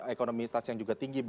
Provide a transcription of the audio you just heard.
ekonomi yang tinggi